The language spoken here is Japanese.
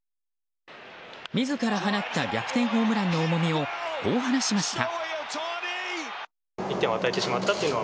自ら放った逆転ホームランの重みをこう話しました。